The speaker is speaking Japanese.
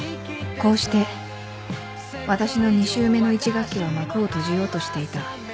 こうして私の２周目の１学期は幕を閉じようとしていた